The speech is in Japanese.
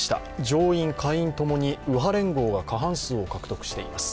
上院・下院共に右派連合が過半数を獲得しています。